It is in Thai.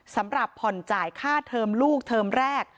สำหรับผ่อนจ่ายค่าเทอมลูกเทอมแรก